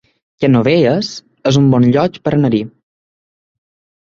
Canovelles es un bon lloc per anar-hi